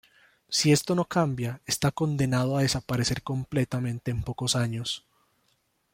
Si esto no cambia está condenado a desaparecer completamente en pocos años.